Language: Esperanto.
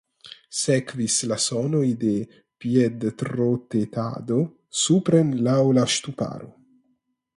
Sekvis la sonoj de piedtrotetado supren laŭ la ŝtuparo.